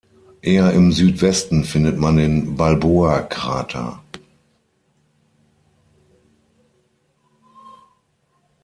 Eher im Südwesten findet man den Balboa Krater.